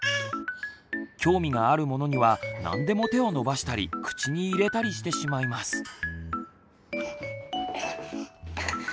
興味があるものには何でも手を伸ばしたり口に入れたりしてしまいます。